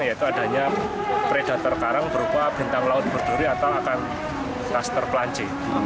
yaitu adanya predator karang berupa bintang laut berduri atau akan kluster pelanci